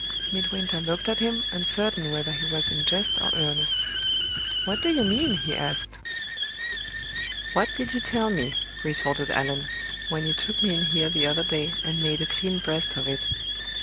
Midwinter looked at him, uncertain whether he was in jest or earnest. "What do you mean?" he asked. "What did you tell me," retorted Allan, "when you took me in here the other day, and made a clean breast of it?